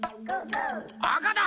あかだ。